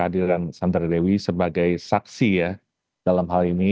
kami memiliki keadilan sandra dewi sebagai saksi ya dalam hal ini